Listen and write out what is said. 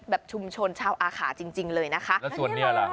แบบชุมชนชาวอาขาจริงเลยนะคะแล้วส่วนนี้อะไร